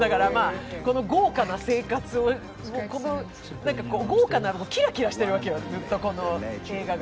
この豪華な生活を、豪華な、キラキラしてるわけよ、この映画が。